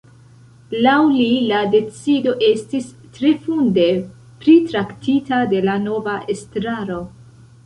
Laŭ li, la decido estis tre funde pritraktita de la nova estraro.